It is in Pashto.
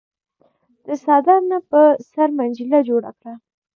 د څادر نه په سر منجيله جوړه کړه۔